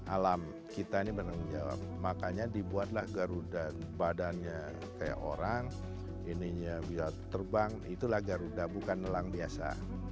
alam kita ini bertanggung jawab makanya dibuatlah garuda badannya kayak orang ininya bisa terbang itulah garuda bukan nelang biasa